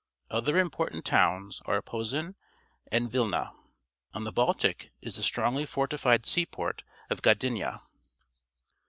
Other important tow'ns are Posen and Vilna. On the Baltic is the strongly fortified seaport of Gdynia.